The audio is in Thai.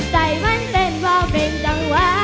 ใจมันเป็นเพราะเป็นจังหวะ